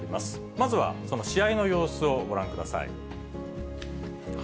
まずはその試合の様子をご覧ください。